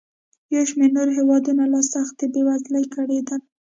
یو شمېر نور هېوادونه له سختې بېوزلۍ کړېدل.